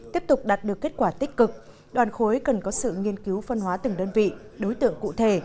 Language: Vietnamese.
tiếp tục đạt được kết quả tích cực đoàn khối cần có sự nghiên cứu phân hóa từng đơn vị đối tượng cụ thể